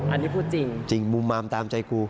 อันนี้พูดจริงจริงมุมมามตามใจกู